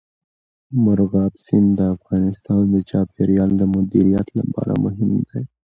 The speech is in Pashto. مورغاب سیند د افغانستان د چاپیریال د مدیریت لپاره مهم دی.